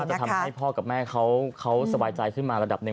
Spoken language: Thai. จะทำให้พ่อกับแม่เขาสบายใจขึ้นมาระดับหนึ่ง